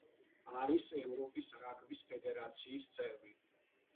არის ევროპის რაგბის ფედერაციის წევრი.